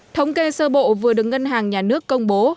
thống kê sơ bộ vừa được ngân hàng nhà nước công bố